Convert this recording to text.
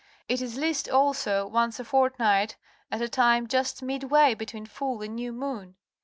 It is least, also, once a fortnight, at a time just midway between full and new moon.